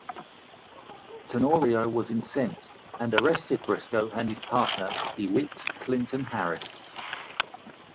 Tenorio was incensed and arrested Briscoe and his partner DeWitt Clinton Harris.